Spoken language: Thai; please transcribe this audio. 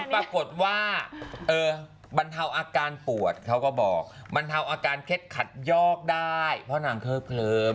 ปรากฏว่าบรรเทาอาการปวดเขาก็บอกบรรเทาอาการเคล็ดขัดยอกได้เพราะนางเคิบเคลิ้ม